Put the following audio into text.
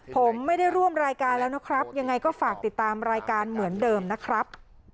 ผมไม่ได้ร่วมรายการแล้วนะครับยังไงก็ฝากติดตามรายการเหมือนเดิมนะครับ